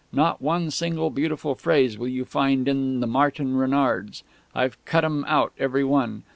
Not one single beautiful phrase will you find in the Martin Renards; I've cut 'em out, every one.